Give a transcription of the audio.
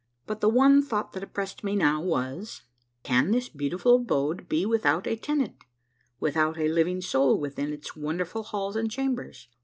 But the one thought that oppressed me now was : Can this beautiful abode be without a tenant, without a living soul within its wonderful halls and chambers?